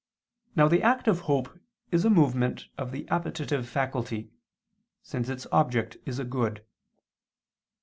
Now the act of hope is a movement of the appetitive faculty, since its object is a good.